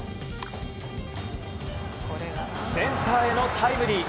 センターへのタイムリー。